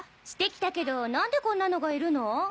してきたけど何でこんなのがいるの？